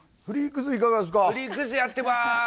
「フリークズ」やってます。